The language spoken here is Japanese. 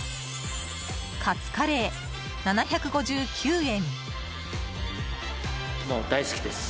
カツカレー、７５９円。